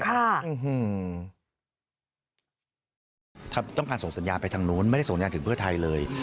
ต้องการส่งสัญญาณไปทางนู้นไม่ได้ส่งสัญญาณถึงเพื่อไทยเลย